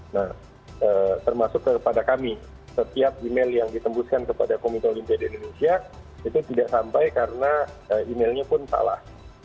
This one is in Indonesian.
nah termasuk kepada kami setiap email yang ditembuskan kepada komite olimpiade indonesia itu tidak sampai karena emailnya pun salah